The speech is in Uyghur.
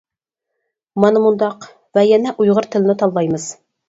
مانا مۇنداق: ۋە يەنە ئۇيغۇر تىلىنى تاللايمىز.